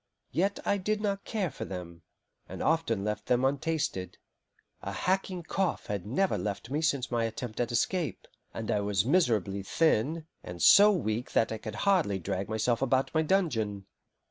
Yet I did not care for them, and often left them untasted. A hacking cough had never left me since my attempt at escape, and I was miserably thin, and so weak that I could hardly drag myself about my dungeon.